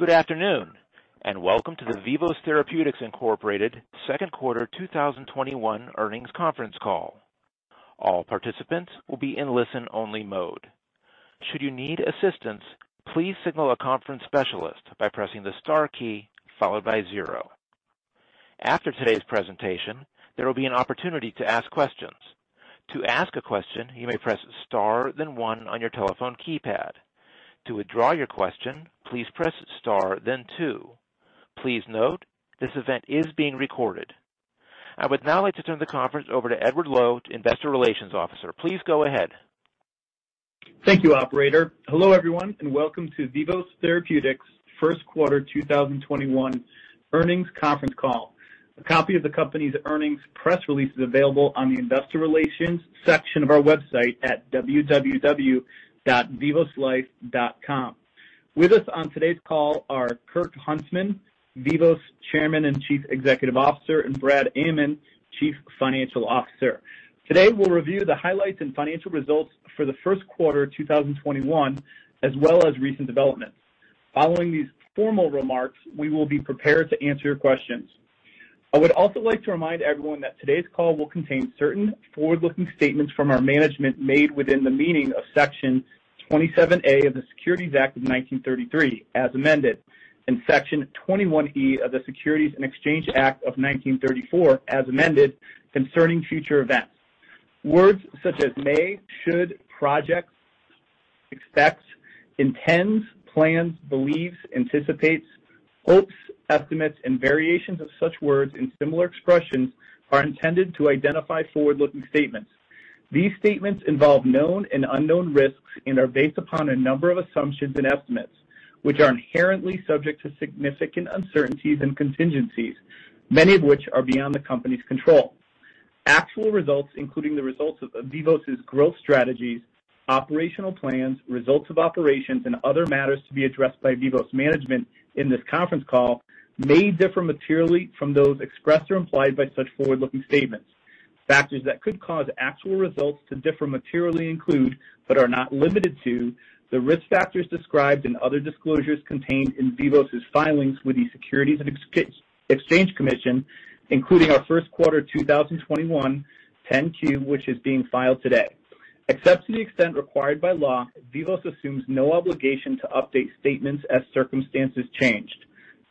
Good afternoon, and welcome to the Vivos Therapeutics, Inc. first quarter 2021 earnings conference call. All participants will be in listen only mode. Should you need assistance, please signal a conference specialist by pressing the star key followed by zero. After today's presentation, there will be an opportunity to ask questions. To ask a question, you may press star then one on your telephone keypad. To withdraw your question, please press star then two. Please note, this event is being recorded. I would now like to turn the conference over to Edward Loew, Investor Relations Officer. Please go ahead. Thank you, operator. Hello everyone, and welcome to Vivos Therapeutics' first quarter 2021 earnings conference call. A copy of the company's earnings press release is available on the investor relations section of our website at www.vivoslife.com. With us on today's call are Kirk Huntsman, Vivos Chairman and Chief Executive Officer, and Bradford Amman, Chief Financial Officer. Today, we'll review the highlights and financial results for the first quarter 2021, as well as recent developments. Following these formal remarks, we will be prepared to answer your questions. I would also like to remind everyone that today's call will contain certain forward-looking statements from our management made within the meaning of Section 27A of the Securities Act of 1933, as amended, and Section 21E of the Securities Exchange Act of 1934, as amended, concerning future events. Words such as may, should, projects, expect, intends, plans, believes, anticipates, hopes, estimates, and variations of such words and similar expressions are intended to identify forward-looking statements. These statements involve known and unknown risks and are based upon a number of assumptions and estimates, which are inherently subject to significant uncertainties and contingencies, many of which are beyond the company's control. Actual results, including the results of Vivos' growth strategies, operational plans, results of operations, and other matters to be addressed by Vivos management in this conference call, may differ materially from those expressed or implied by such forward-looking statements. Factors that could cause actual results to differ materially include, but are not limited to, the risk factors described and other disclosures contained in Vivos' filings with the Securities and Exchange Commission, including our first quarter 2021 10-Q, which is being filed today. Except to the extent required by law, Vivos assumes no obligation to update statements as circumstances change.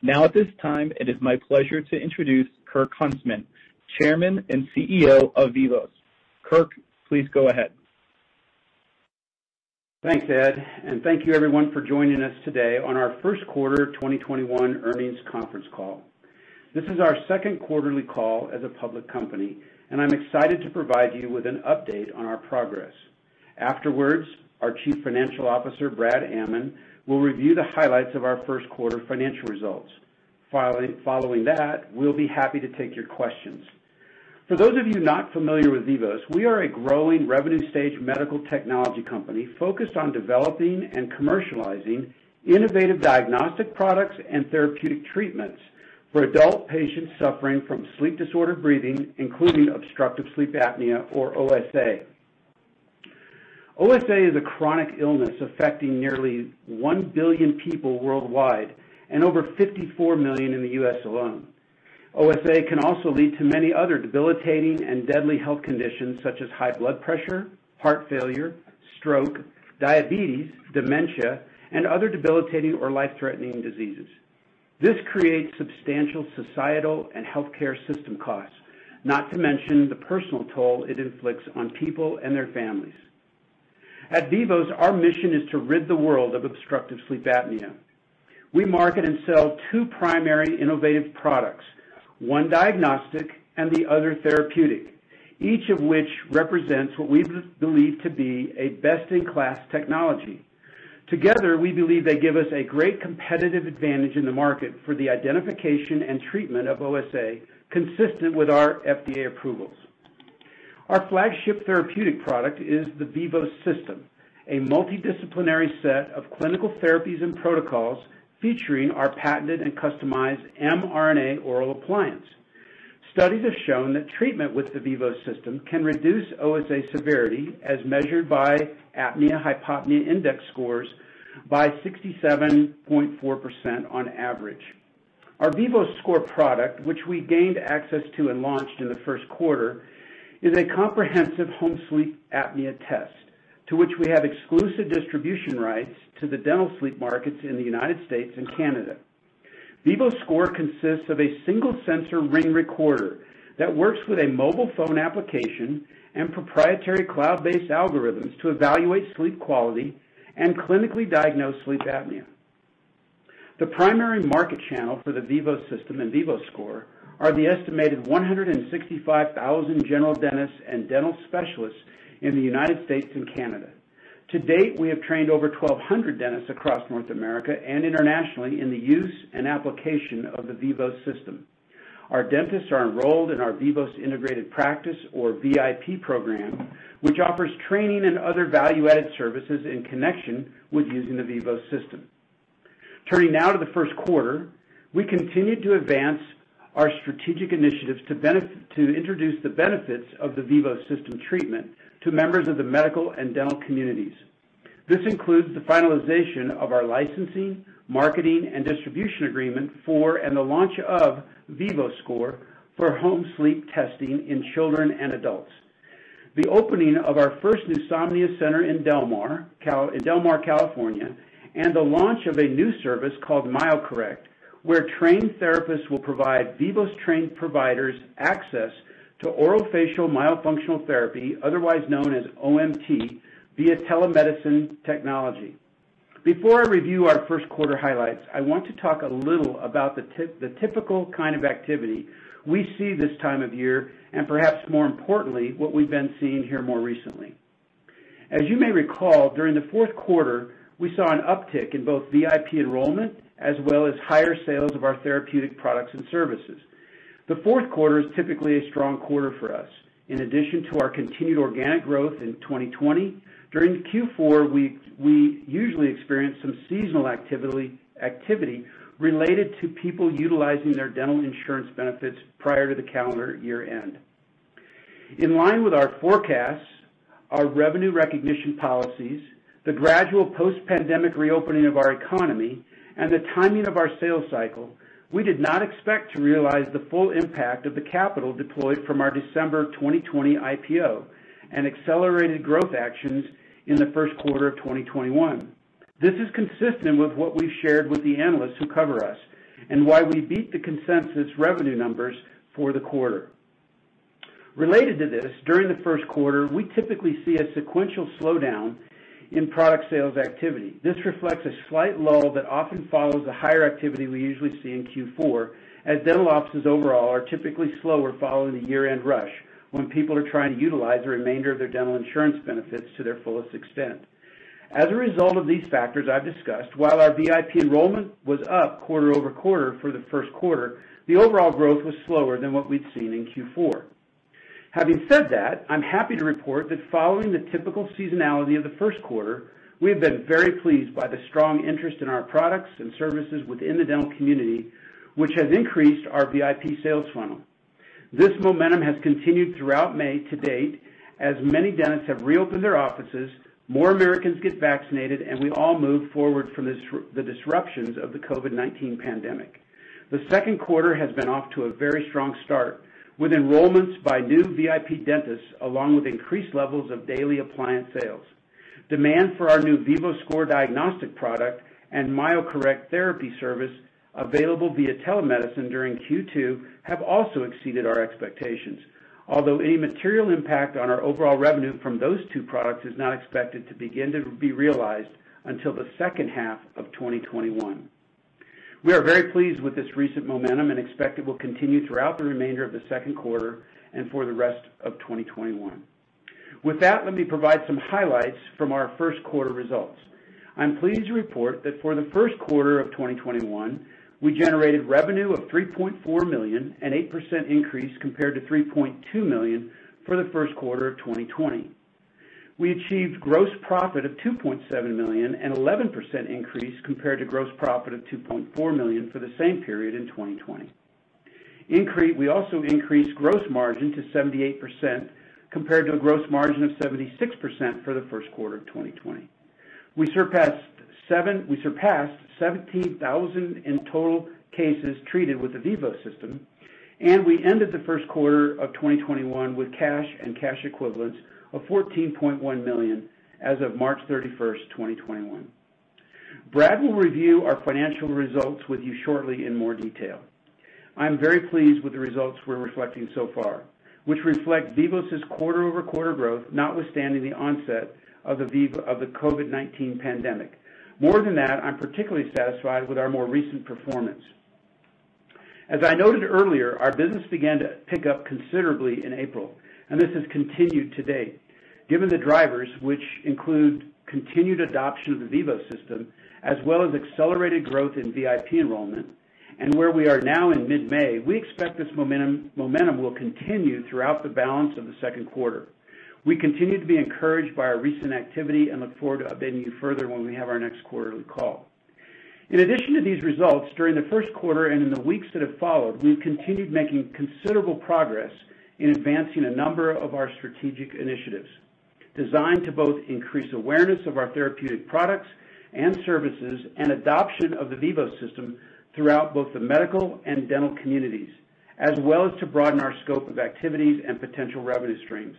Now, at this time, it is my pleasure to introduce Kirk Huntsman, Chairman and CEO of Vivos. Kirk, please go ahead. Thanks, Ed. Thank you everyone for joining us today on our first quarter 2021 earnings conference call. This is our second quarterly call as a public company. I'm excited to provide you with an update on our progress. Afterwards, our Chief Financial Officer, Bradford Amman, will review the highlights of our first quarter financial results. Following that, we'll be happy to take your questions. For those of you not familiar with Vivos, we are a growing revenue stage medical technology company focused on developing and commercializing innovative diagnostic products and therapeutic treatments for adult patients suffering from sleep-disordered breathing, including obstructive sleep apnea, or OSA. OSA is a chronic illness affecting nearly 1 billion people worldwide and over 54 million in the U.S. alone. OSA can also lead to many other debilitating and deadly health conditions such as high blood pressure, heart failure, stroke, diabetes, dementia, and other debilitating or life-threatening diseases. This creates substantial societal and healthcare system costs, not to mention the personal toll it inflicts on people and their families. At Vivos, our mission is to rid the world of obstructive sleep apnea. We market and sell two primary innovative products, one diagnostic and the other therapeutic, each of which represents what we believe to be a best-in-class technology. Together, we believe they give us a great competitive advantage in the market for the identification and treatment of OSA consistent with our FDA approvals. Our flagship therapeutic product is the Vivos System, a multidisciplinary set of clinical therapies and protocols featuring our patented and customized mRNA oral appliance. Studies have shown that treatment with the Vivos System can reduce OSA severity as measured by Apnea-Hypopnea Index scores by 67.4% on average. Our VivoScore product, which we gained access to and launched in the first quarter, is a comprehensive home sleep apnea test, to which we have exclusive distribution rights to the dental sleep markets in the U.S. and Canada. VivoScore consists of a single sensor ring recorder that works with a mobile phone application and proprietary cloud-based algorithms to evaluate sleep quality and clinically diagnose sleep apnea. The primary market channel for the Vivos System and VivoScore are the estimated 165,000 general dentists and dental specialists in the United States and Canada. To date, we have trained over 1,200 dentists across North America and internationally in the use and application of the Vivos System. Our dentists are enrolled in our Vivos Integrated Practice, or VIP program, which offers training and other value-added services in connection with using the Vivos System. Turning now to the first quarter, we continued to advance. Our strategic initiatives to introduce the benefits of the Vivos System treatment to members of the medical and dental communities. This includes the finalization of our licensing, marketing, and distribution agreement for and the launch of VivoScore for home sleep testing in children and adults. The opening of our first NewSomnia Center in Del Mar, California, and the launch of a new service called MyoCorrect, where trained therapists will provide Vivos-trained providers access to orofacial myofunctional therapy, otherwise known as OMT, via telemedicine technology. Before I review our first quarter highlights, I want to talk a little about the typical kind of activity we see this time of year, and perhaps more importantly, what we've been seeing here more recently. As you may recall, during the fourth quarter, we saw an uptick in both VIP enrollment as well as higher sales of our therapeutic products and services. The fourth quarter is typically a strong quarter for us. In addition to our continued organic growth in 2020, during Q4, we usually experience some seasonal activity related to people utilizing their dental insurance benefits prior to the calendar year-end. In line with our forecasts, our revenue recognition policies, the gradual post-pandemic reopening of our economy, and the timing of our sales cycle, we did not expect to realize the full impact of the capital deployed from our December 2020 IPO and accelerated growth actions in the first quarter of 2021. This is consistent with what we shared with the analysts who cover us and why we beat the consensus revenue numbers for the quarter. Related to this, during the first quarter, we typically see a sequential slowdown in product sales activity. This reflects a slight lull that often follows the higher activity we usually see in Q4, as dental offices overall are typically slower following the year-end rush when people are trying to utilize the remainder of their dental insurance benefits to their fullest extent. As a result of these factors I've discussed, while our VIP enrollment was up quarter-over-quarter for the first quarter, the overall growth was slower than what we'd seen in Q4. Having said that, I'm happy to report that following the typical seasonality of the first quarter, we've been very pleased by the strong interest in our products and services within the dental community, which has increased our VIP sales funnel. This momentum has continued throughout May to date, as many dentists have reopened their offices, more Americans get vaccinated, and we all move forward from the disruptions of the COVID-19 pandemic. The second quarter has been off to a very strong start, with enrollments by new VIP dentists, along with increased levels of daily appliance sales. Demand for our new VivoScore diagnostic product and MyoCorrect therapy service available via telemedicine during Q2 have also exceeded our expectations. Although a material impact on our overall revenue from those two products is not expected to begin to be realized until the second half of 2021. We are very pleased with this recent momentum and expect it will continue throughout the remainder of the second quarter and for the rest of 2021. With that, let me provide some highlights from our first quarter results. I'm pleased to report that for the first quarter of 2021, we generated revenue of $3.4 million, an 8% increase compared to $3.2 million for the first quarter of 2020. We achieved gross profit of $2.7 million, an 11% increase compared to gross profit of $2.4 million for the same period in 2020. We also increased gross margin to 78%, compared to a gross margin of 76% for the first quarter of 2020. We surpassed 17,000 in total cases treated with the Vivos System, and we ended the first quarter of 2021 with cash and cash equivalents of $14.1 million as of March 31st, 2021. Brad will review our financial results with you shortly in more detail. I'm very pleased with the results we're reflecting so far, which reflect Vivos' quarter-over-quarter growth notwithstanding the onset of the COVID-19 pandemic. More than that, I'm particularly satisfied with our more recent performance. As I noted earlier, our business began to pick up considerably in April, and this has continued to date. Given the drivers, which include continued adoption of the Vivos System, as well as accelerated growth in VIP enrollment and where we are now in mid-May, we expect this momentum will continue throughout the balance of the second quarter. We continue to be encouraged by our recent activity and look forward to updating you further when we have our next quarterly call. In addition to these results, during the first quarter and in the weeks that have followed, we've continued making considerable progress in advancing a number of our strategic initiatives designed to both increase awareness of our therapeutic products and services and adoption of the Vivos System throughout both the medical and dental communities, as well as to broaden our scope of activities and potential revenue streams.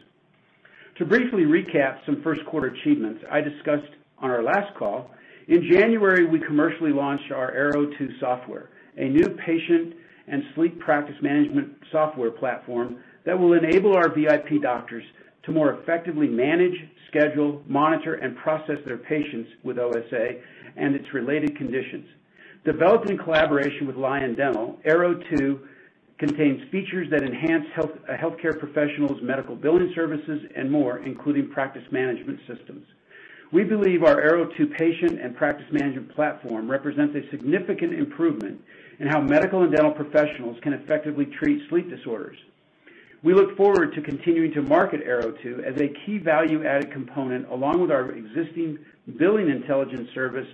To briefly recap some first quarter achievements I discussed on our last call, in January, we commercially launched our AireO2 software, a new patient and sleep practice management software platform that will enable our VIP doctors to more effectively manage, schedule, monitor, and process their patients with OSA and its related conditions. Developed in collaboration with Lyon Dental, AireO2 contains features that enhance a healthcare professional's medical billing services and more, including practice management systems. We believe our AireO2 patient and practice management platform represents a significant improvement in how medical and dental professionals can effectively treat sleep disorders. We look forward to continuing to market AireO2 as a key value-added component, along with our existing Billing Intelligence Service,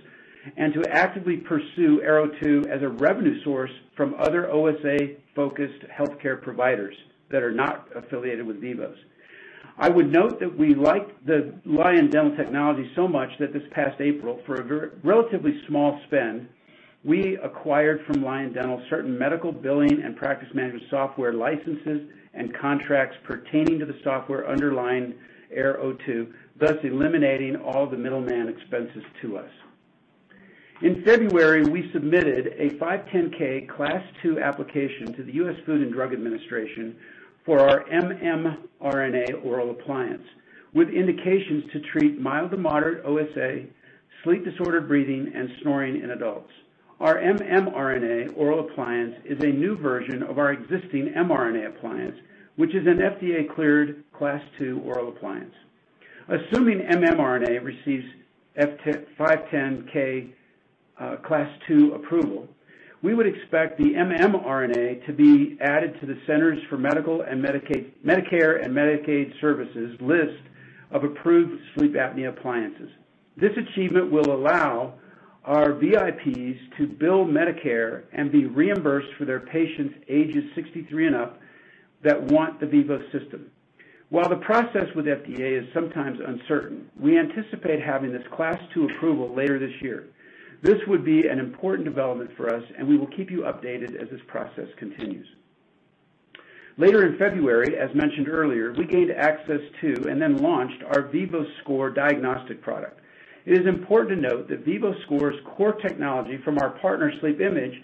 and to actively pursue AireO2 as a revenue source from other OSA-focused healthcare providers that are not affiliated with Vivos. I would note that we like the Lyon Dental technology so much that this past April, for a relatively small spend, we acquired from Lyon Dental certain medical billing and practice management software licenses and contracts pertaining to the software underlying AireO2, thus eliminating all the middleman expenses to us. In February, we submitted a 510(k) Class II application to the U.S. Food and Drug Administration for our mmRNA oral appliance, with indications to treat mild-to-moderate OSA, sleep-disordered breathing, and snoring in adults. Our mmRNA oral appliance is a new version of our existing mRNA oral appliance, which is an FDA-cleared Class II oral appliance. Assuming mmRNA receives 510(k) Class II approval, we would expect the mmRNA to be added to the Centers for Medicare & Medicaid Services list of approved sleep apnea appliances. This achievement will allow our VIPs to bill Medicare and be reimbursed for their patients ages 63 and up that want the Vivos System. While the process with FDA is sometimes uncertain, we anticipate having this Class II approval later this year. This would be an important development for us, and we will keep you updated as this process continues. Later in February, as mentioned earlier, we gained access to and then launched our VivoScore diagnostic product. It is important to note that VivoScore's core technology from our partner SleepImage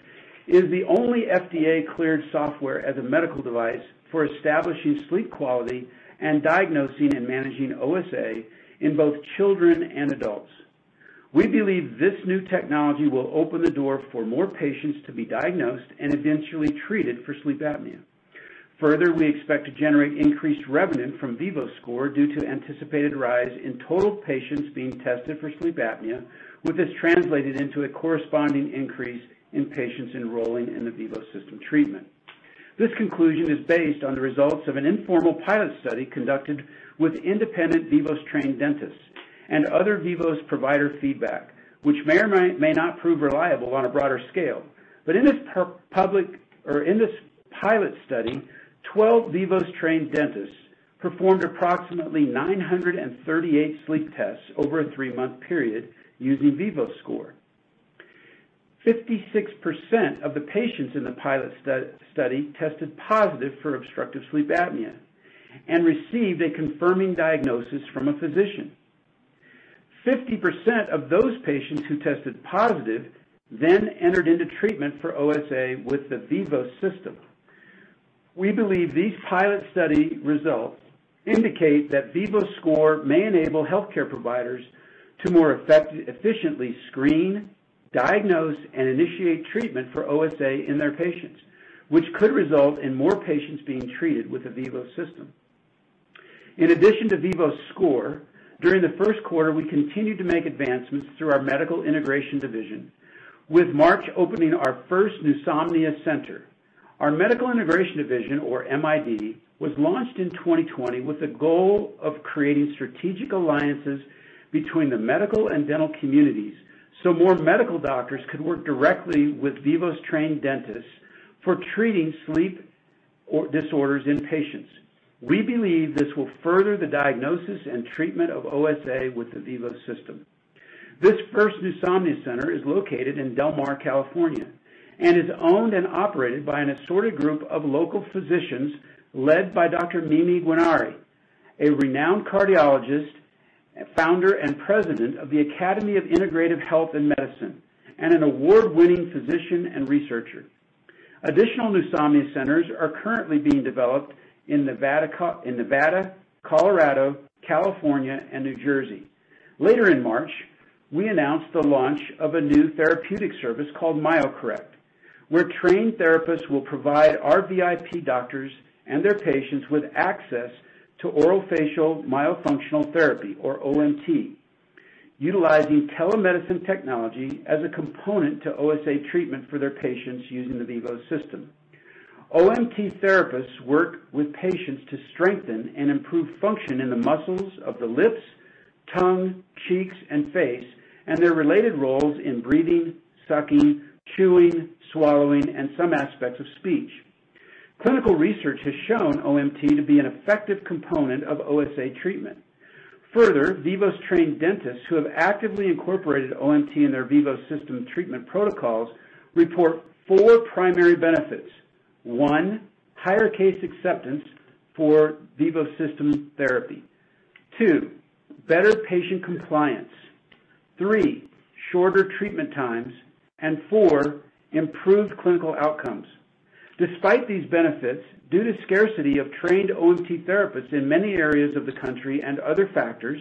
is the only FDA-cleared software as a medical device for establishing sleep quality and diagnosing and managing OSA in both children and adults. We believe this new technology will open the door for more patients to be diagnosed and eventually treated for sleep apnea. Further, we expect to generate increased revenue from VivoScore due to anticipated rise in total patients being tested for sleep apnea, with this translated into a corresponding increase in patients enrolling in the Vivos System treatment. This conclusion is based on the results of an informal pilot study conducted with independent Vivos-trained dentists and other Vivos provider feedback, which may or may not prove reliable on a broader scale. In this pilot study, 12 Vivos-trained dentists performed approximately 938 sleep tests over a three-month period using VivoScore. 56% of the patients in the pilot study tested positive for obstructive sleep apnea and received a confirming diagnosis from a physician. 50% of those patients who tested positive then entered into treatment for OSA with the Vivos System. We believe these pilot study results indicate that VivoScore may enable healthcare providers to more efficiently screen, diagnose, and initiate treatment for OSA in their patients, which could result in more patients being treated with the Vivos System. In addition to VivoScore, during the first quarter, we continued to make advancements through our Medical Integration Division, with March opening our first NewSomnia Center. Our Medical Integration Division, or MID, was launched in 2020 with the goal of creating strategic alliances between the medical and dental communities, so more medical doctors could work directly with Vivos-trained dentists for treating sleep disorders in patients. We believe this will further the diagnosis and treatment of OSA with the Vivos System. This first NewSomnia Center is located in Del Mar, California and is owned and operated by an assorted group of local physicians led by Dr. Mimi Guarneri, a renowned Cardiologist, founder, and president of the Academy of Integrative Health & Medicine, and an award-winning physician and researcher. Additional NewSomnia centers are currently being developed in Nevada, Colorado, California, and New Jersey. Later in March, we announced the launch of a new therapeutic service called MyoCorrect, where trained therapists will provide our VIP doctors and their patients with access to orofacial myofunctional therapy, or OMT, utilizing telemedicine technology as a component to OSA treatment for their patients using the Vivos System. OMT therapists work with patients to strengthen and improve function in the muscles of the lips, tongue, cheeks, and face and their related roles in breathing, sucking, chewing, swallowing, and some aspects of speech. Clinical research has shown OMT to be an effective component of OSA treatment. Further, Vivos-trained dentists who have actively incorporated OMT in their Vivos System treatment protocols report four primary benefits. One, higher case acceptance for Vivos System therapy. Two, better patient compliance. Three, shorter treatment times. And four, improved clinical outcomes. Despite these benefits, due to scarcity of trained OMT therapists in many areas of the country and other factors,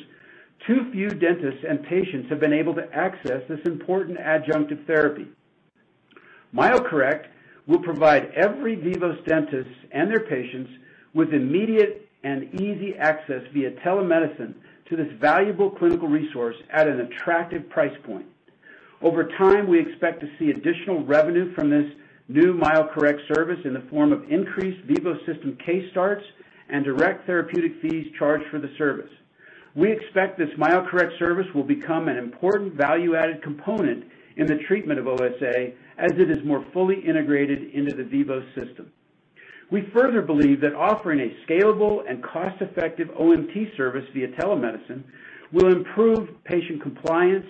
too few dentists and patients have been able to access this important adjunctive therapy. MyoCorrect will provide every Vivos dentist and their patients with immediate and easy access via telemedicine to this valuable clinical resource at an attractive price point. Over time, we expect to see additional revenue from this new MyoCorrect service in the form of increased Vivos System case starts and direct therapeutic fees charged for the service. We expect this MyoCorrect service will become an important value-added component in the treatment of OSA as it is more fully integrated into the Vivos System. We further believe that offering a scalable and cost-effective OMT service via telemedicine will improve patient compliance,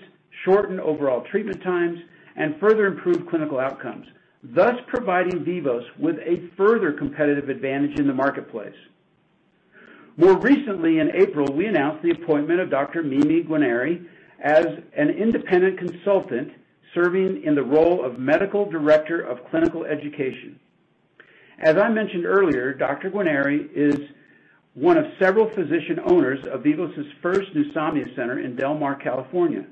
shorten overall treatment times, and further improve clinical outcomes, thus providing Vivos with a further competitive advantage in the marketplace. More recently, in April, we announced the appointment of Dr. Mimi Guarneri as an independent consultant serving in the role of medical director of clinical education. As I mentioned earlier, Dr. Mimi Guarneri is one of several physician owners of Vivos' first NewSomnia Center in Del Mar, California.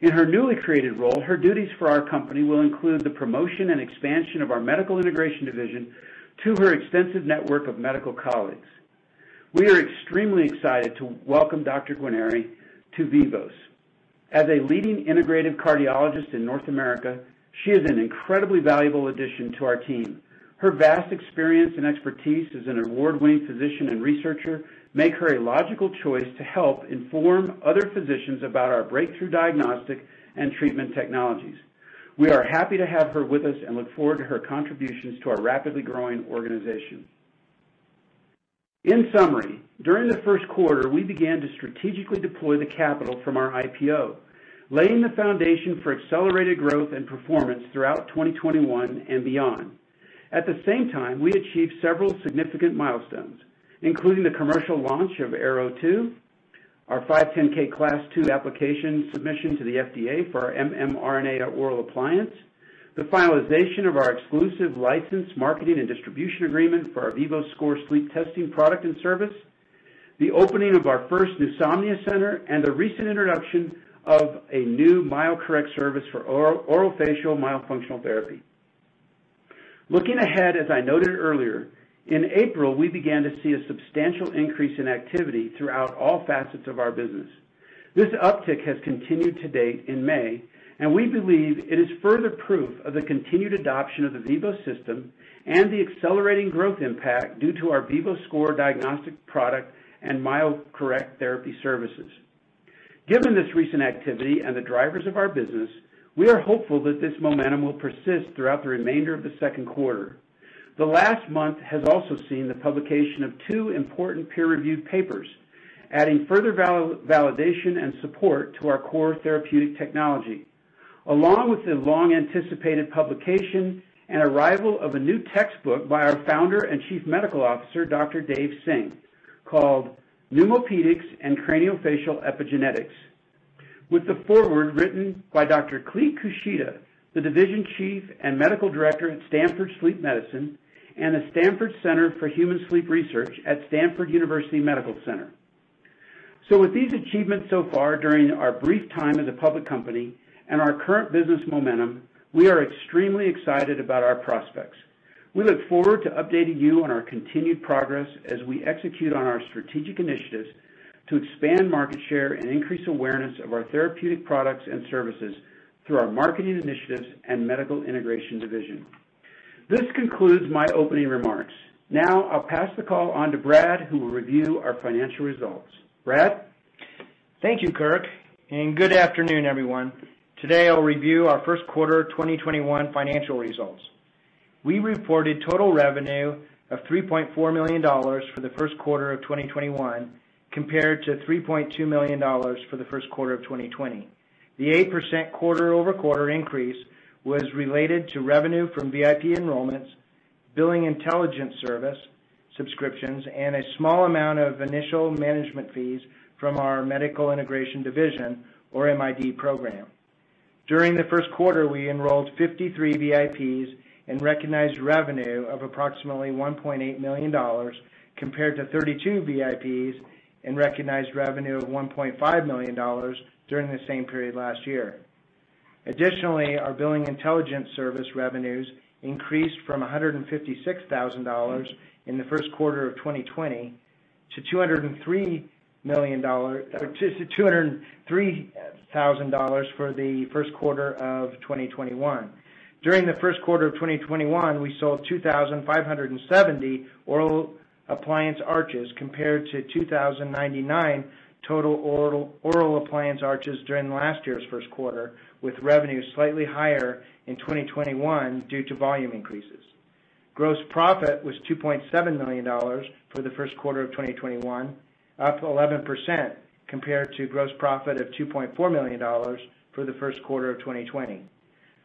In her newly created role, her duties for our company will include the promotion and expansion of our Medical Integration Division to her extensive network of medical colleagues. We are extremely excited to welcome Dr. Mimi Guarneri to Vivos. As a leading integrative cardiologist in North America, she is an incredibly valuable addition to our team. Her vast experience and expertise as an award-winning physician and researcher make her a logical choice to help inform other physicians about our breakthrough diagnostic and treatment technologies. We are happy to have her with us and look forward to her contributions to our rapidly growing organization. In summary, during the first quarter, we began to strategically deploy the capital from our IPO, laying the foundation for accelerated growth and performance throughout 2021 and beyond. At the same time, we achieved several significant milestones, including the commercial launch of AireO2, our 510(k) Class 2 application submission to the FDA for our mmRNA oral appliance, the finalization of our exclusive license marketing and distribution agreement for our VivoScore sleep testing product and service, the opening of our first NewSomnia Center, and the recent introduction of a new MyoCorrect service for orofacial myofunctional therapy. Looking ahead, as I noted earlier, in April, we began to see a substantial increase in activity throughout all facets of our business. This uptick has continued to date in May, and we believe it is further proof of the continued adoption of the Vivos System and the accelerating growth impact due to our VivoScore diagnostic product and MyoCorrect therapy services. Given this recent activity and the drivers of our business, we are hopeful that this momentum will persist throughout the remainder of the second quarter. The last month has also seen the publication of two important peer-reviewed papers, adding further validation and support to our core therapeutic technology. Along with the long-anticipated publication and arrival of a new textbook by our founder and Chief Medical Officer, Dr. G. Dave Singh, called "Pneumopedics and Craniofacial Epigenetics," with the foreword written by Dr. Clete Kushida, the Division Chief and Medical Director at Stanford Sleep Medicine, and the Stanford Center for Human Sleep Research at Stanford University Medical Center. With these achievements so far during our brief time as a public company and our current business momentum, we are extremely excited about our prospects. We look forward to updating you on our continued progress as we execute on our strategic initiatives to expand market share and increase awareness of our therapeutic products and services through our marketing initiatives and Medical Integration Division. This concludes my opening remarks. Now, I'll pass the call on to Brad, who will review our financial results. Brad? Thank you, Kirk, and good afternoon, everyone. Today, I'll review our first quarter 2021 financial results. We reported total revenue of $3.4 million for the first quarter of 2021, compared to $3.2 million for the first quarter of 2020. The 8% quarter-over-quarter increase was related to revenue from VIP enrollments, Billing Intelligence Service subscriptions, and a small amount of initial management fees from our Medical Integration Division, or MID program. During the first quarter, we enrolled 53 VIPs and recognized revenue of approximately $1.8 million, compared to 32 VIPs and recognized revenue of $1.5 million during the same period last year. Additionally, our Billing Intelligence Service revenues increased from $156,000 in the first quarter of 2020 to $203,000 for the first quarter of 2021. During the first quarter of 2021, we sold 2,570 oral appliance arches compared to 2,099 total oral appliance arches during last year's first quarter, with revenue slightly higher in 2021 due to volume increases. Gross profit was $2.7 million for the first quarter of 2021, up 11% compared to gross profit of $2.4 million for the first quarter of 2020.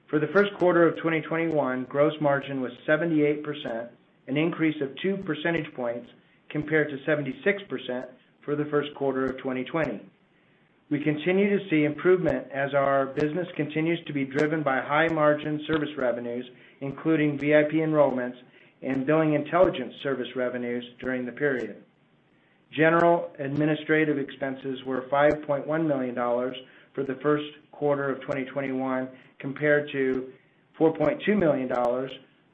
For the first quarter of 2021, gross margin was 78%, an increase of two percentage points compared to 76% for the first quarter of 2020. We continue to see improvement as our business continues to be driven by high-margin service revenues, including VIP enrollments and Billing Intelligence Service revenues during the period. General administrative expenses were $5.1 million for the first quarter of 2021, compared to $4.2 million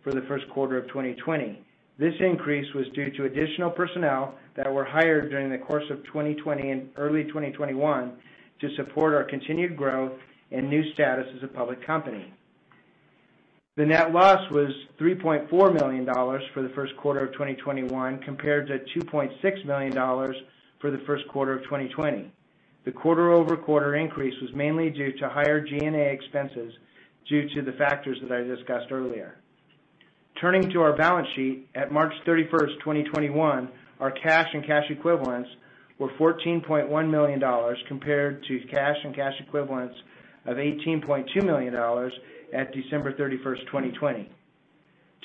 for the first quarter of 2020. This increase was due to additional personnel that were hired during the course of 2020 and early 2021 to support our continued growth and new status as a public company. The net loss was $3.4 million for the first quarter of 2021, compared to $2.6 million for the first quarter of 2020. The quarter-over-quarter increase was mainly due to higher G&A expenses due to the factors that I discussed earlier. Turning to our balance sheet, at March 31st, 2021, our cash and cash equivalents were $14.1 million, compared to cash and cash equivalents of $18.2 million at December 31st, 2020.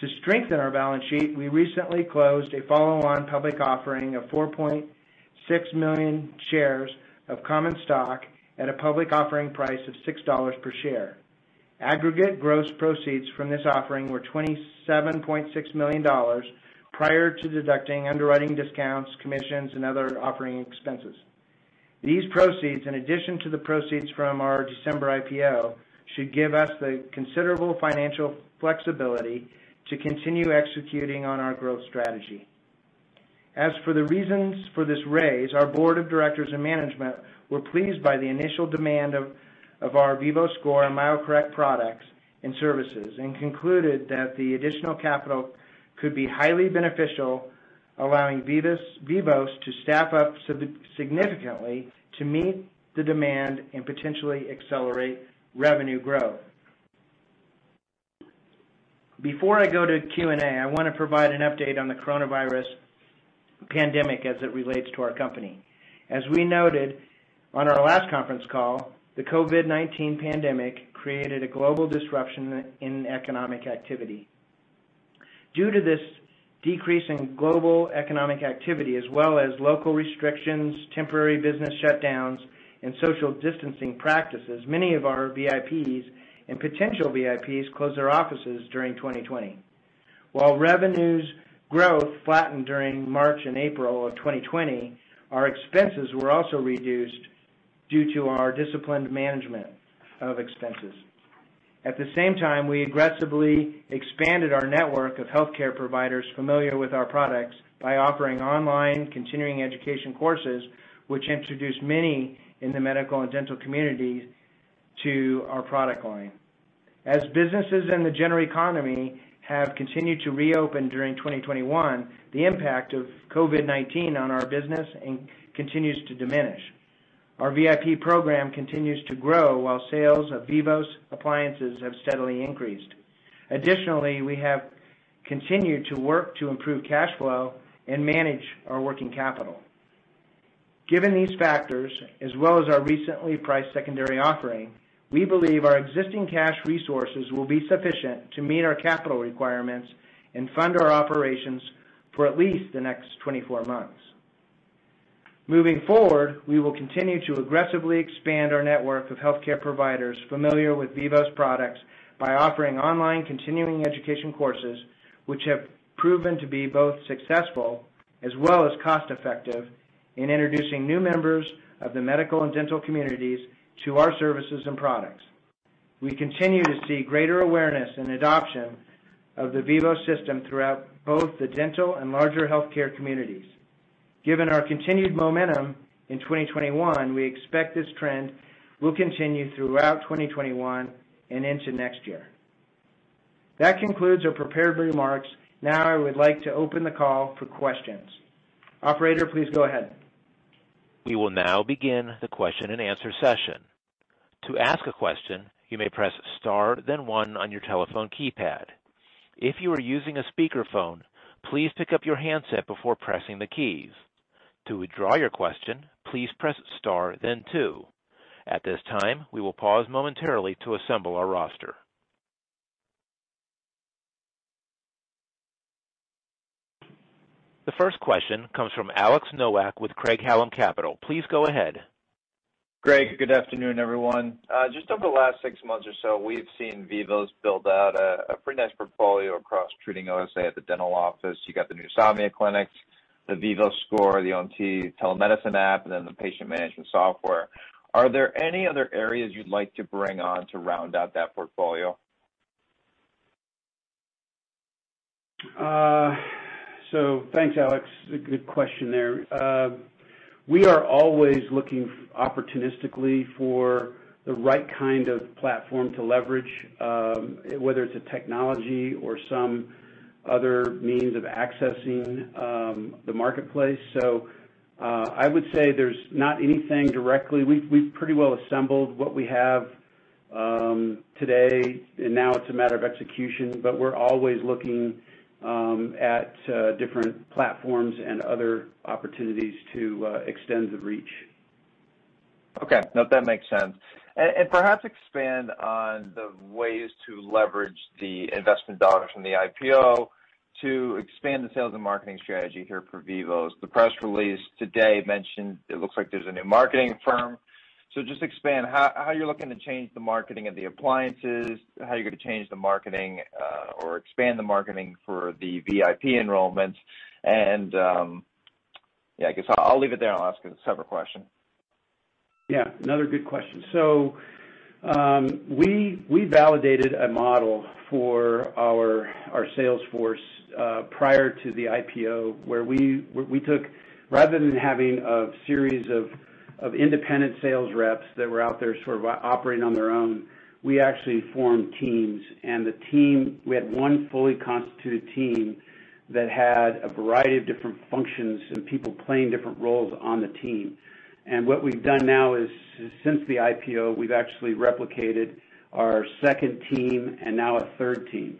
To strengthen our balance sheet, we recently closed a follow-on public offering of 4.6 million shares of common stock at a public offering price of $6 per share. Aggregate gross proceeds from this offering were $27.6 million prior to deducting underwriting discounts, commissions, and other offering expenses. These proceeds, in addition to the proceeds from our December IPO, should give us the considerable financial flexibility to continue executing on our growth strategy. As for the reasons for this raise, our board of directors and management were pleased by the initial demand of our VivoScore and MyoCorrect products and services and concluded that the additional capital could be highly beneficial, allowing Vivos to staff up significantly to meet the demand and potentially accelerate revenue growth. Before I go to Q&A, I want to provide an update on the coronavirus pandemic as it relates to our company. As we noted on our last conference call, the COVID-19 pandemic created a global disruption in economic activity. Due to this decrease in global economic activity, as well as local restrictions, temporary business shutdowns, and social distancing practices, many of our VIPs and potential VIPs closed their offices during 2020. While revenues growth flattened during March and April of 2020, our expenses were also reduced due to our disciplined management of expenses. At the same time, we aggressively expanded our network of healthcare providers familiar with our products by offering online continuing education courses, which introduced many in the medical and dental community to our product line. As businesses in the general economy have continued to reopen during 2021, the impact of COVID-19 on our business continues to diminish. Our VIP program continues to grow while sales of Vivos appliances have steadily increased. Additionally, we have continued to work to improve cash flow and manage our working capital. Given these factors, as well as our recently priced secondary offering, we believe our existing cash resources will be sufficient to meet our capital requirements and fund our operations for at least the next 24 months. Moving forward, we will continue to aggressively expand our network of healthcare providers familiar with Vivos products by offering online continuing education courses, which have proven to be both successful as well as cost-effective in introducing new members of the medical and dental communities to our services and products. We continue to see greater awareness and adoption of the Vivos System throughout both the dental and larger healthcare communities. Given our continued momentum in 2021, we expect this trend will continue throughout 2021 and into next year. That concludes our prepared remarks. Now, I would like to open the call for questions. Operator, please go ahead. We will now begin the question and answer session. To ask a question, you may press star then one on your telephone keypad. If you are using a speakerphone, please pick up your handset before pressing the keys. To withdraw your question, please press star then two. At this time, we will pause momentarily to assemble our roster. The first question comes from Alex Nowak with Craig-Hallum Capital. Please go ahead. Great, good afternoon, everyone. Just over the last six months or so, we've seen Vivos build out a pretty nice portfolio across treating OSA at the dental office. You got the NewSomnia Clinics, the VivoScore, the OMT telemedicine app, and then the patient management software. Are there any other areas you'd like to bring on to round out that portfolio? Thanks, Alex. A good question there. We are always looking opportunistically for the right kind of platform to leverage, whether it's a technology or some other means of accessing the marketplace. I would say there's not anything directly. We've pretty well assembled what we have today, and now it's a matter of execution, but we're always looking at different platforms and other opportunities to extend the reach. Okay. No, that makes sense. Perhaps expand on the ways to leverage the investment dollars from the IPO to expand the sales and marketing strategy here for Vivos. The press release today mentioned it looks like there's a new marketing firm. Just expand how you're looking to change the marketing of the appliances, how you're going to change the marketing or expand the marketing for the VIP enrollments, and yeah, I guess I'll leave it there and I'll ask a separate question. Yeah, another good question. We validated a model for our sales force prior to the IPO where we took, rather than having a series of independent sales reps that were out there sort of operating on their own, we actually formed teams. We had one fully constituted team that had a variety of different functions and people playing different roles on the team. What we've done now is since the IPO, we've actually replicated our second team and now a third team.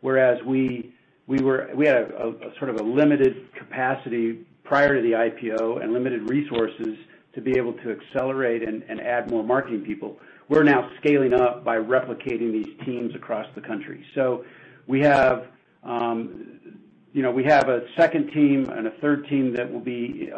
Whereas we had a sort of a limited capacity prior to the IPO and limited resources to be able to accelerate and add more marketing people, we're now scaling up by replicating these teams across the country. We have a second team and a third team that will be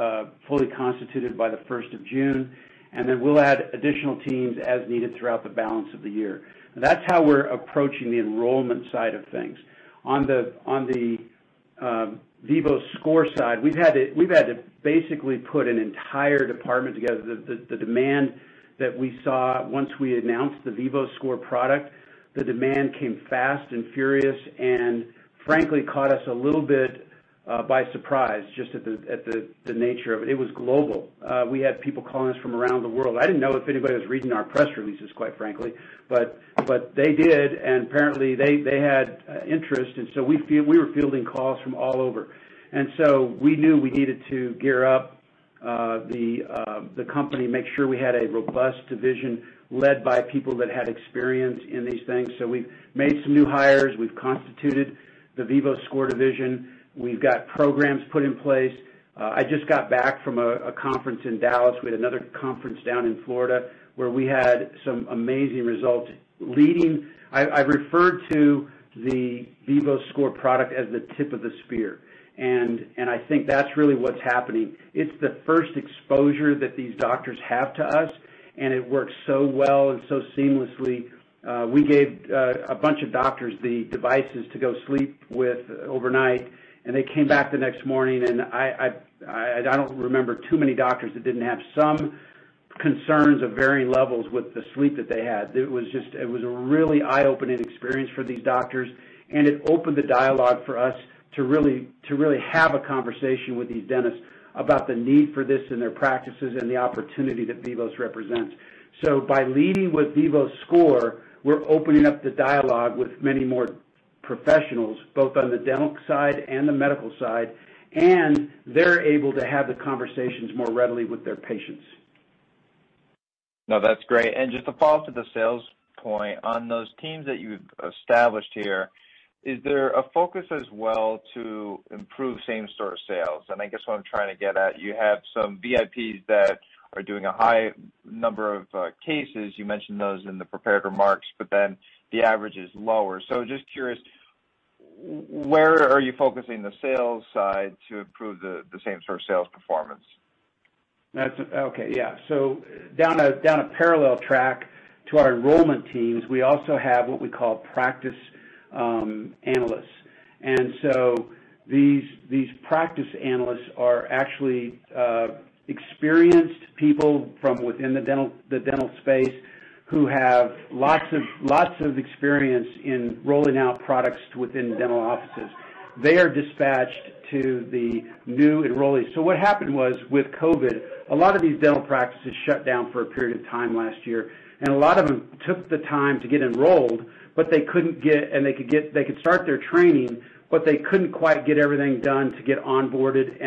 fully constituted by the first of June, and then we'll add additional teams as needed throughout the balance of the year. That's how we're approaching the enrollment side of things. On the VivoScore side, we've had to basically put an entire department together. The demand that we saw once we announced the VivoScore product, the demand came fast and furious and frankly caught us a little bit by surprise, just at the nature of it. It was global. We had people calling us from around the world. I didn't know if anybody was reading our press releases, quite frankly, but they did, and apparently they had interest, and so we were fielding calls from all over. We knew we needed to gear up the company, make sure we had a robust division led by people that had experience in these things. We've made some new hires. We've constituted the VivoScore division. We've got programs put in place. I just got back from a conference in Dallas. We had another conference down in Florida where we had some amazing results leading. I refer to the VivoScore product as the tip of the spear, and I think that's really what's happening. It's the first exposure that these doctors have to us, and it works so well and so seamlessly. We gave a bunch of doctors the devices to go sleep with overnight, and they came back the next morning, and I don't remember too many doctors that didn't have some concerns of varying levels with the sleep that they had. It was a really eye-opening experience for these doctors, and it opened the dialogue for us to really have a conversation with these dentists about the need for this in their practices and the opportunity that Vivos represents. By leading with VivoScore, we're opening up the dialogue with many more professionals, both on the dental side and the medical side, and they're able to have the conversations more readily with their patients. No, that's great. Just to follow up to the sales point on those teams that you've established here, is there a focus as well to improve same-store sales? I guess what I'm trying to get at, you have some VIPs that are doing a high number of cases, you mentioned those in the prepared remarks, but then the average is lower. Just curious, where are you focusing the sales side to improve the same-store sales performance? Down a parallel track to our enrollment teams, we also have what we call practice analysts. These practice analysts are actually experienced people from within the dental space who have lots of experience in rolling out products within dental offices. They are dispatched to the new enrollees. What happened was with COVID-19, a lot of these dental practices shut down for a period of time last year, and a lot of them took the time to get enrolled, and they could start their training, but they couldn't quite get everything done to get onboarded.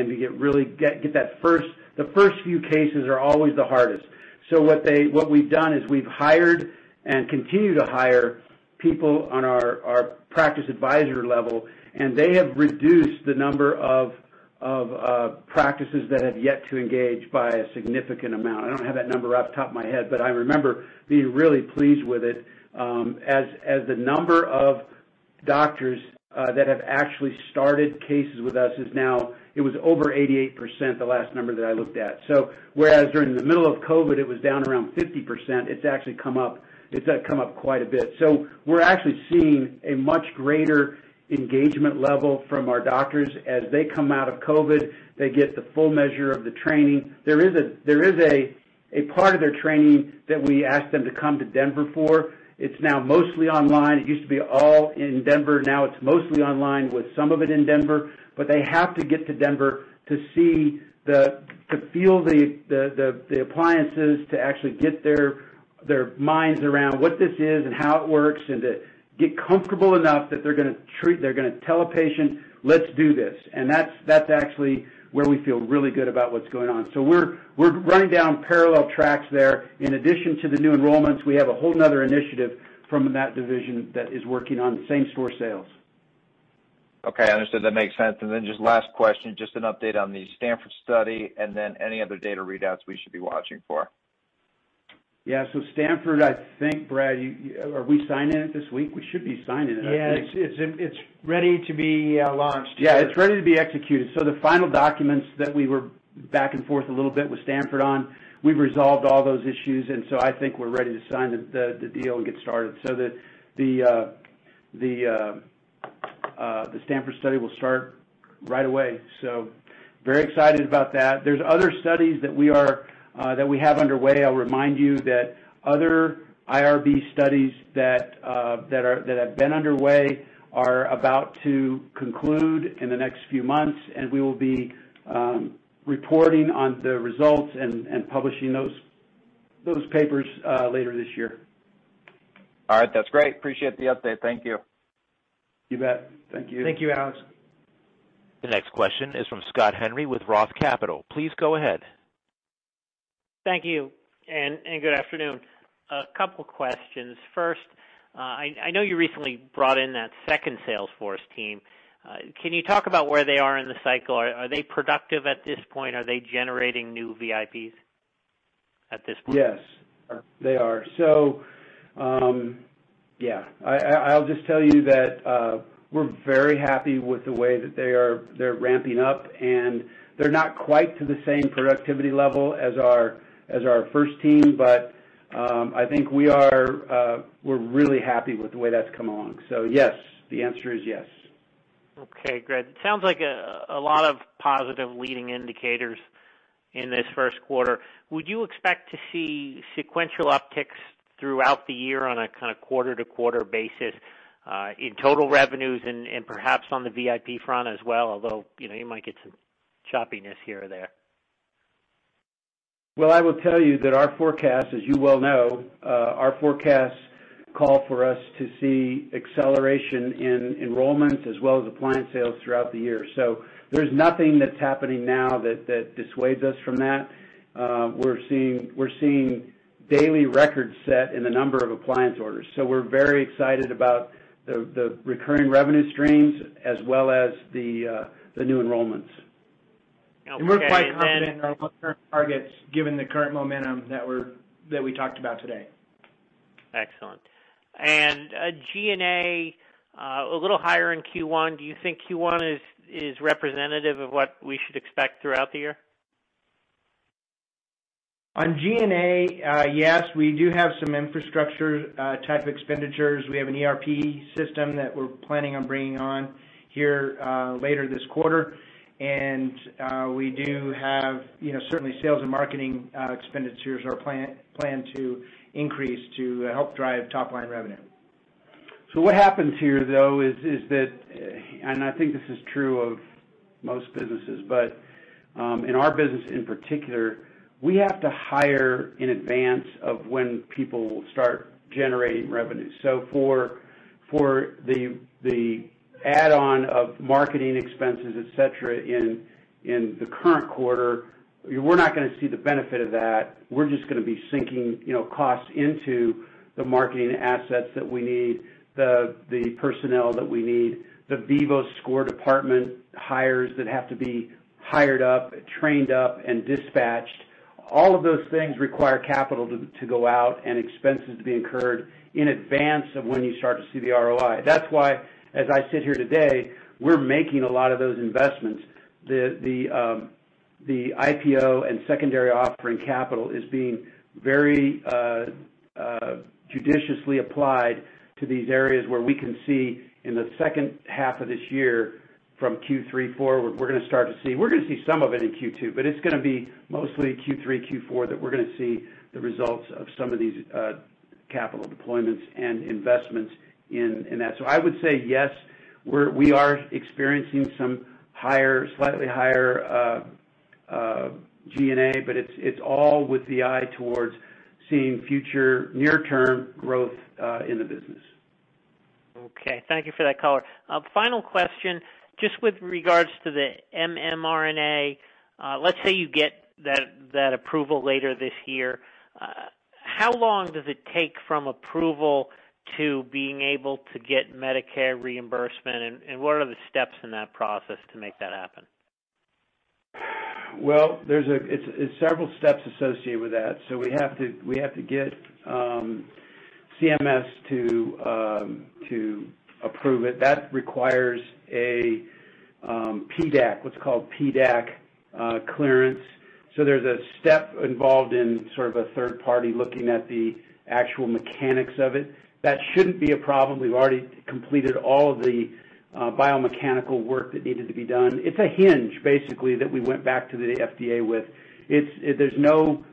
The first few cases are always the hardest. What we've done is we've hired and continue to hire people on our practice advisory level. They have reduced the number of practices that have yet to engage by a significant amount. I don't have that number off the top of my head, but I remember being really pleased with it. As the number of doctors that have actually started cases with us is now, it was over 88%, the last number that I looked at. Whereas during the middle of COVID, it was down around 50%, it's actually come up quite a bit. We're actually seeing a much greater engagement level from our doctors. As they come out of COVID, they get the full measure of the training. There is a part of their training that we ask them to come to Denver for. It's now mostly online. It used to be all in Denver. Now it's mostly online with some of it in Denver, but they have to get to Denver to feel the appliances, to actually get their minds around what this is and how it works, and to get comfortable enough that they're going to tell a patient, "Let's do this." That's actually where we feel really good about what's going on. We're running down parallel tracks there. In addition to the new enrollments, we have a whole other initiative from that Division that is working on same-store sales. Okay. Understood. That makes sense. Just last question, just an update on the Stanford study and any other data readouts we should be watching for. Stanford, I think, Brad, are we signing it this week? We should be signing it, I think. Yes. It's ready to be launched. Yeah. It's ready to be executed. The final documents that we were back and forth a little bit with Stanford on, we've resolved all those issues, and so I think we're ready to sign the deal and get started. The Stanford study will start right away. Very excited about that. There's other studies that we have underway. I'll remind you that other IRB studies that have been underway are about to conclude in the next few months, and we will be reporting on the results and publishing those papers later this year. All right. That's great. Appreciate the update. Thank you. You bet. Thank you. Thank you, Alex. The next question is from Scott Henry with ROTH Capital. Please go ahead. Thank you. Good afternoon. A couple questions. First, I know you recently brought in that second sales force team. Can you talk about where they are in the cycle? Are they productive at this point? Are they generating new VIPs at this point? Yes. They are. Yeah, I'll just tell you that we're very happy with the way that they're ramping up, and they're not quite to the same productivity level as our first team, but I think we're really happy with the way that's come along. Yes, the answer is yes. Okay, good. Sounds like a lot of positive leading indicators in this first quarter. Would you expect to see sequential upticks throughout the year on a kind of quarter-to-quarter basis, in total revenues and perhaps on the VIP front as well, although, you know, you might get some choppiness here or there? Well, I will tell you that our forecast, as you well know, our forecasts call for us to see acceleration in enrollments as well as appliance sales throughout the year. There's nothing that's happening now that dissuades us from that. We're seeing daily records set in a number of appliance orders. We're very excited about the recurring revenue streams as well as the new enrollments. Okay. We're quite confident in our long-term targets given the current momentum that we talked about today. Excellent. G&A, a little higher in Q1. Do you think Q1 is representative of what we should expect throughout the year? On G&A, yes. We do have some infrastructure type expenditures. We have an ERP system that we're planning on bringing on here later this quarter. We do have certainly sales and marketing expenditures are planned to increase to help drive top-line revenue. What happens here, though, is that, and I think this is true of most businesses, but in our business in particular, we have to hire in advance of when people start generating revenue. For the add-on of marketing expenses, et cetera, in the current quarter, we're not going to see the benefit of that. We're just going to be sinking, you know, costs into the marketing assets that we need, the personnel that we need, the VivoScore department hires that have to be hired up, trained up, and dispatched. All of those things require capital to go out and expenses to be incurred in advance of when you start to see the ROI. That's why, as I sit here today, we're making a lot of those investments. The IPO and secondary offering capital is being very judiciously applied to these areas where we can see in the second half of this year from Q3, Q4, we're going to start to see. We're going to see some of it in Q2, but it's going to be mostly Q3, Q4 that we're going to see the results of some of these capital deployments and investments in that. I would say yes, we are experiencing some slightly higher G&A, but it's all with the eye towards seeing future near-term growth in the business. Okay. Thank you for that color. Final question, just with regards to the mmRNA. Let's say you get that approval later this year. How long does it take from approval to being able to get Medicare reimbursement, and what are the steps in that process to make that happen? Well, there's several steps associated with that. We have to get CMS to approve it. That requires a PDAC, what's called PDAC clearance. There's a step involved in sort of a third party looking at the actual mechanics of it. That shouldn't be a problem. We've already completed all the biomechanical work that needed to be done. It's a hinge, basically, that we went back to the FDA with. There's no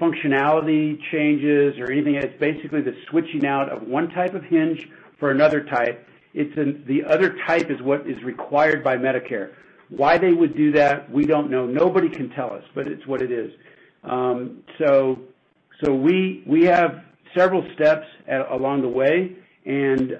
functionality changes or anything. It's basically the switching out of one type of hinge for another type. The other type is what is required by Medicare. Why they would do that, we don't know. Nobody can tell us, but it's what it is. We have several steps along the way, and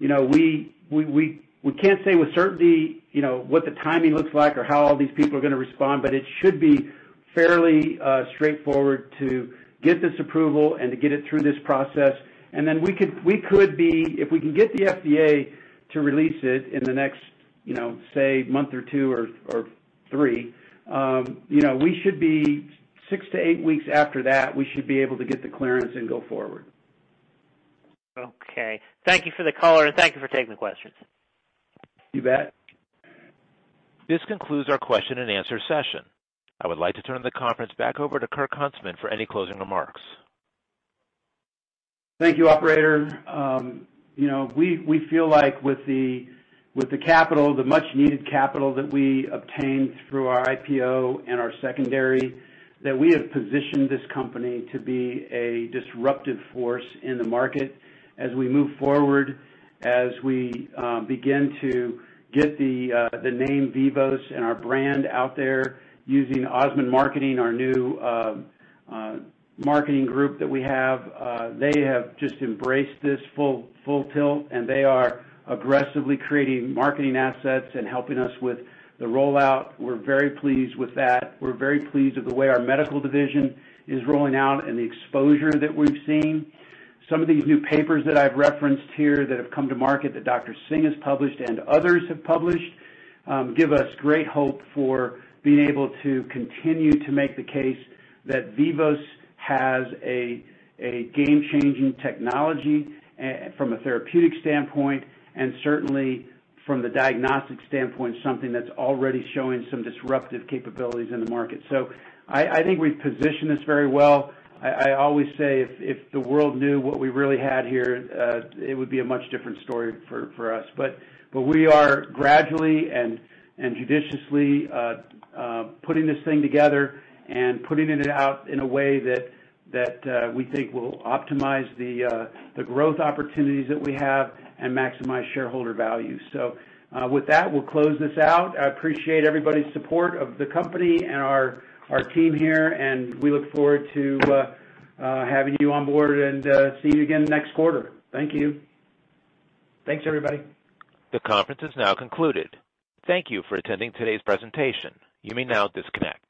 we can't say with certainty, you know, what the timing looks like or how all these people are going to respond, but it should be fairly straightforward to get this approval and to get it through this process. We could be, if we can get the FDA to release it in the next say month or two or three, you know, six to eight weeks after that, we should be able to get the clearance and go forward. Okay. Thank you for the color, and thank you for taking the questions. You bet. This concludes our question and answer session. I would like to turn the conference back over to Kirk Huntsman for any closing remarks. Thank you, operator. We feel like with the much needed capital that we obtained through our IPO and our secondary, that we have positioned this company to be a disruptive force in the market as we move forward, as we begin to get the name Vivos and our brand out there using Osmond Marketing, our new marketing group that we have. They have just embraced this full tilt, and they are aggressively creating marketing assets and helping us with the rollout. We're very pleased with that. We're very pleased with the way our Medical division is rolling out and the exposure that we've seen. Some of these new papers that I've referenced here that have come to market that Dr. Singh has published and others have published give us great hope for being able to continue to make the case that Vivos has a game-changing technology from a therapeutic standpoint, and certainly from the diagnostic standpoint, something that's already showing some disruptive capabilities in the market. I think we've positioned this very well. I always say if the world knew what we really had here, it would be a much different story for us. We are gradually and judiciously putting this thing together and putting it out in a way that we think will optimize the growth opportunities that we have and maximize shareholder value. With that, we'll close this out. I appreciate everybody's support of the company and our team here, and we look forward to having you on board and see you again next quarter. Thank you. Thanks, everybody. The conference is now concluded. Thank you for attending today's presentation. You may now disconnect.